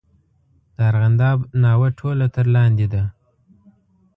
د ارغنداب ناوه ټوله تر لاندې ده.